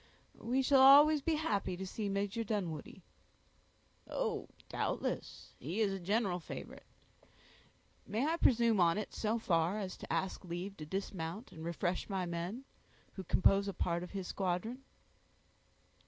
"We shall always be happy to see Major Dunwoodie." "Oh! doubtless; he is a general favorite, May I presume on it so far as to ask leave to dismount and refresh my men, who compose a part of his squadron?"